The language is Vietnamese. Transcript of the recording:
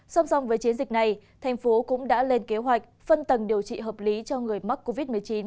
song song với chiến dịch này thành phố cũng đã lên kế hoạch phân tầng điều trị hợp lý cho người mắc covid một mươi chín